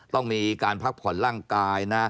ต้องมีการพักผ่อนร่างกายนะ